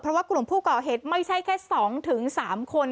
เพราะว่ากลุ่มผู้เกาะเหตุไม่ใช่แค่สองถึงสามคน